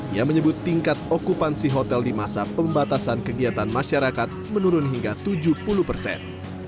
ia menyebut tingkat okupansi hotel di masa pembatasan kegiatan masyarakat menurun hingga tujuh puluh persen